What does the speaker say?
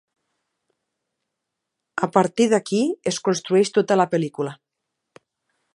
A partir d'aquí es construeix tota la pel·lícula.